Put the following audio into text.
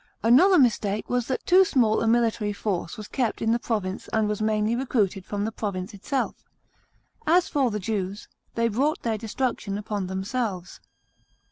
Another mistake was that too small a military force was kept in the province and was mainly recruited from the province itself. As for the Jews, they brought their destruction upon themselves.